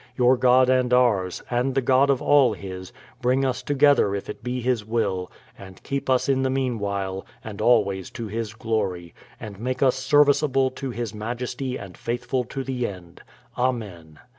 Your God and ours, and the God of all His, bring us together if it be His will, and keep us in the mean while, and always to His glory, and make us serviceable to His majesty and faithful to the end. Amen.